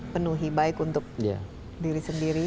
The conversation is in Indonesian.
penuhi baik untuk diri sendiri